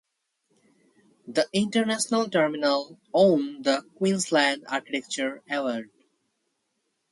The international terminal won the Queensland architecture award.